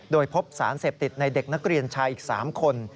โดยพบสารเสพติดในเด็กนักเรียนชายอีก๓คน